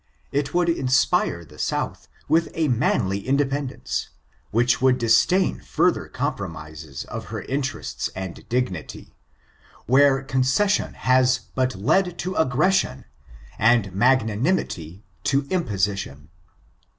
It would inspire the South with a manly independence, which would disdain further com promises of her interests and dignity, where concession has but led to aggression, and magnanimity to imposition.